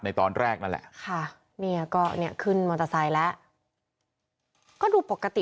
ตอนแรกนั่นแหละค่ะเนี่ยก็เนี่ยขึ้นมอเตอร์ไซค์แล้วก็ดูปกติ